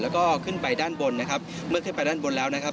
แล้วก็ขึ้นไปด้านบนนะครับเมื่อขึ้นไปด้านบนแล้วนะครับ